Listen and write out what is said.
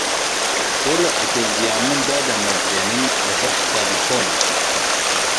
تۆ لە ئوتێل دیامۆند دادەمەزرێنین لەسەر حیسابی خۆمان